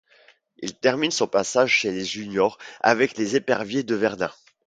Il termine son passage chez les juniors avec les Éperviers de Verdun.